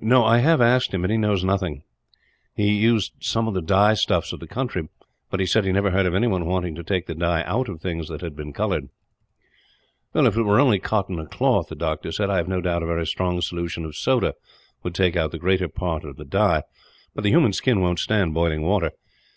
"No; I have asked him, and he knows of nothing. He used some of the dye stuffs of the country, but he said he never heard of anyone wanting to take the dye out of things that had been coloured." "If it were only cotton or cloth," the doctor said, "I have no doubt a very strong solution of soda would take out the greater portion of the dye; but the human skin won't stand boiling water.